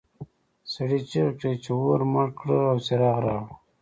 سړي چیغې کړې چې اور مړ کړه او څراغ راوړه.